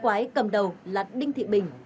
quái cầm đầu là đinh thị bình